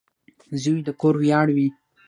• زوی د کور ویاړ وي.